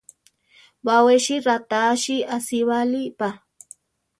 Baʼwéchi ratáachi asíbali pa.